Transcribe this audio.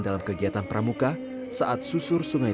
dalam kegiatan pramuka saat susur sungai